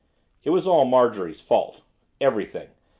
It was all Marjorie's fault, everything!